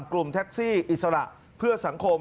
กลุ่มแท็กซี่อิสระเพื่อสังคม